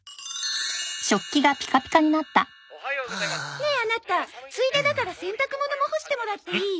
ねえアナタついでだから洗濯物も干してもらっていい？